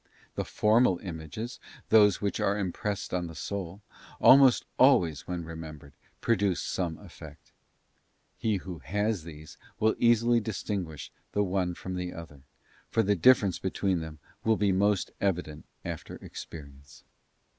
The formal images, those which are impressed on the soul, almost always when remembered, produce some effect. He who has these will easily distinguish the one from the other, for the difference between them will be most evident after ex perience.